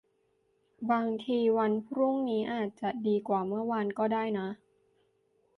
บางทีวันพรุ่งนี้อาจจะดีกว่าเมื่อวานก็ได้นะ